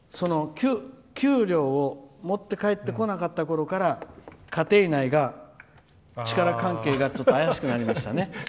給料を持って帰ってこなかったころから家庭内が力関係がちょっと怪しくなりましたね。